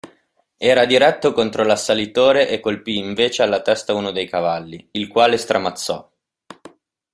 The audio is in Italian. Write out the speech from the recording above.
Era diretto contro l'assalitore e colpì invece alla testa uno dei cavalli, il quale stramazzò.